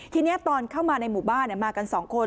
ทีนี้ตอนเข้ามาในหมู่บ้านมากัน๒คน